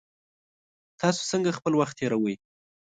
تاسو څنګه خپل وخت تیروئ؟